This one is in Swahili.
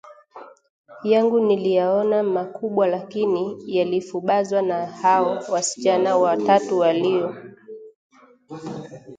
Yangu niliyaona makubwa lakini yalifubazwa na hao wasichana watatu walio